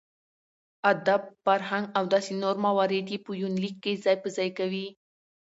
اداب ،فرهنګ او داسې نور موارد يې په يونليک کې ځاى په ځاى کوي .